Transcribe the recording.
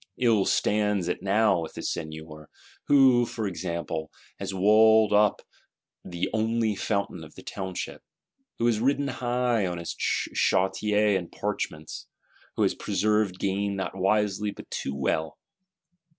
Ill stands it now with the Seigneur, who, for example, "has walled up the only Fountain of the Township;" who has ridden high on his chartier and parchments; who has preserved Game not wisely but too well.